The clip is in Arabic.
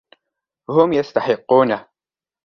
هم يستحقونه.